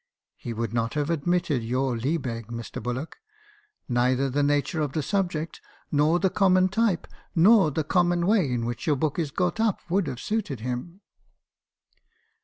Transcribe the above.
He would not have ad mitted your Liebig, Mr. Bullock; neither the nature of the sub ject, nor the common type , nor the common way in which your book is got up, would have suited him.'